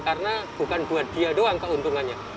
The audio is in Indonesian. karena bukan buat dia doang keuntungannya